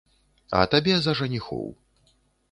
А табе за жаніхоў.